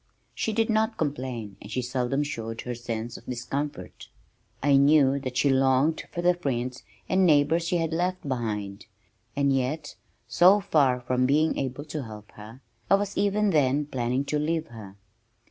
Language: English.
She did not complain and she seldom showed her sense of discomfort. I knew that she longed for the friends and neighbors she had left behind, and yet so far from being able to help her I was even then planning to leave her.